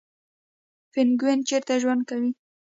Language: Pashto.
پینګوین چیرته ژوند کوي؟